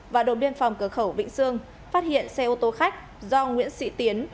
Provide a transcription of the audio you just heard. và đồn biên phòng cửa khẩu vĩnh sương phát hiện xe ô tô khách do nguyễn sĩ tiến